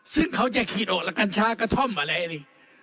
ซึ่งเขาจะขีดออกแล้วกัญชากระท่อมอะไรนี่